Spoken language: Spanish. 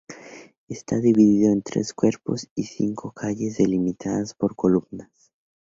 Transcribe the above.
Está dividido en tres cuerpos y cinco calles, delimitadas por columnas.